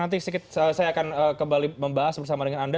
nanti saya akan kembali membahas bersama dengan anda